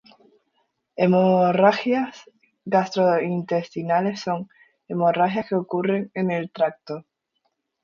Hemorragias gastrointestinales son hemorragias que ocurren en el tracto.